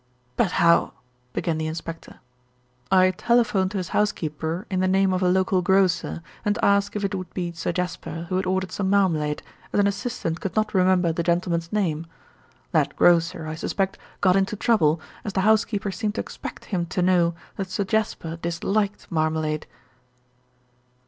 "But how ?" began the inspector. "I telephoned to his housekeeper in the name of a local grocer and asked if it would be Sir Jasper who had ordered some marmalade, as an assistant could not remember the gentleman's name. That grocer, I suspect, got into trouble, as the housekeeper seemed to expect him to know that Sir Jasper disliked marmalade."